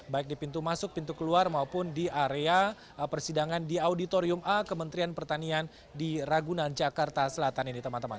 baik di pintu masuk pintu keluar maupun di area persidangan di auditorium a kementerian pertanian di ragunan jakarta selatan ini teman teman